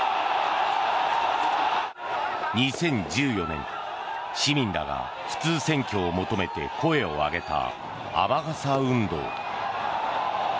２０１４年市民らが普通選挙を求めて声を上げた雨傘運動。